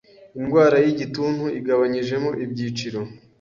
Indwara y’igituntu igabanyijemo ibyiciro